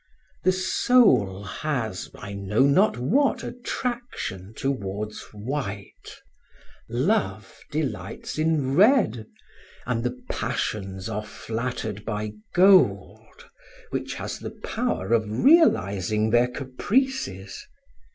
The soul has I know not what attraction towards white, love delights in red, and the passions are flattered by gold, which has the power of realizing their caprices.